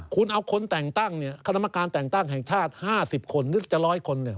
คุณเอาคนแต่งตั้งคณะกรรมการแต่งตั้งแห่งชาติ๕๐คนนึกจะ๑๐๐คน